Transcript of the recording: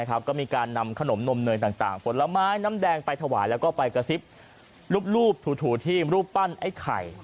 ก็มีการนำขนมนมเนยต่างผลไม้น้ำแดงไปถวายแล้วก็ไปกระซิบรูปถูที่รูปปั้นไอ้ไข่